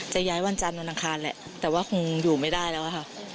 ย้ายวันจันทร์วันอังคารแหละแต่ว่าคงอยู่ไม่ได้แล้วค่ะ